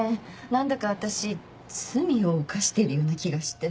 何だか私罪を犯してるような気がして。